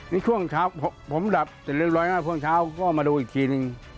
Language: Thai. นี่ช่วงเช้าผมดับแต่เรียบร้อยก็ได้ช่วงเช้าก็มาดูอีกทีหนึ่ง